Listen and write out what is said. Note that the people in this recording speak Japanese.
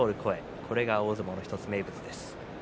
これが大相撲の１つの名物です。